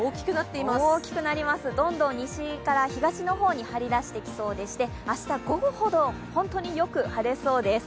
大きくなります、どんどん西から東の方に張りだしてきそうで明日、午後ほど本当によく晴れそうです。